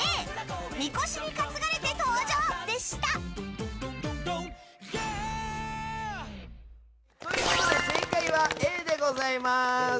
神輿に担がれて登場でした！ということで正解はＡでございます。